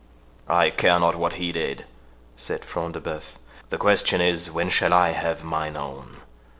"I care not what he did," said Front de Bœuf; "the question is, when shall I have mine own?